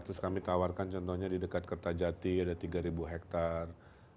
ya terus kami tawarkan contohnya di dekat kertajati ada tiga ribu hektar